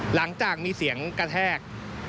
หลังจากมีเสียงกระแทก